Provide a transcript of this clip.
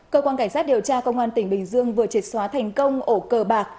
cơ quan cảnh sát điều tra công an tỉnh bình dương vừa triệt xóa thành công ổ cờ bạc